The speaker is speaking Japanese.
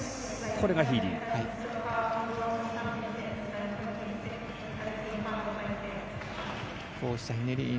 これがヒーリー。